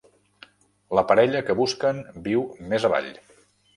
La parella que busquen viu més avall.